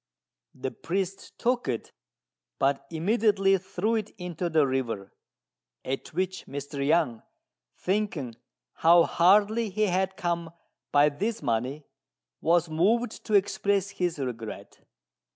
The priest took it, but immediately threw it into the river, at which Mr. Yang, thinking how hardly he had come by this money, was moved to express his regret.